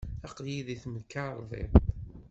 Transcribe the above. Aql-iyi deg temkarḍit.